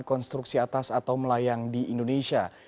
konstruksi atas atau melayang di indonesia